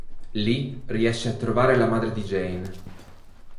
Lì, riesce a trovare la madre di Jean.